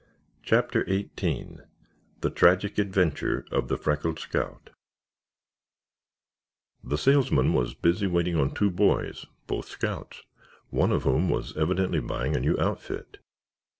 CHAPTER XVIII THE TRAGIC ADVENTURE OF THE FRECKLED SCOUT The salesman was busy waiting on two boys, both scouts, one of whom was evidently buying a new outfit.